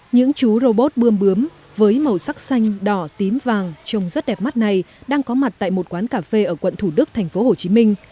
những chú robot bươm bướm với màu sắc xanh đỏ tím vàng trông rất đẹp mắt này đang có mặt tại một quán cà phê ở quận thủ đức thành phố hồ chí minh